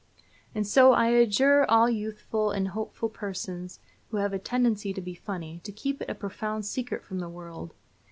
And so I adjure all youthful and hopeful persons, who have a tendency to be funny, to keep it a profound secret from the world.